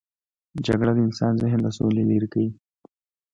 جګړه د انسان ذهن له سولې لیرې کوي